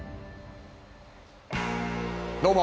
どうも！